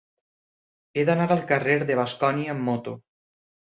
He d'anar al carrer de Bascònia amb moto.